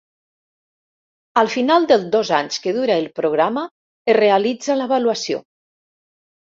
Al final dels dos anys que dura el programa es realitza l'avaluació.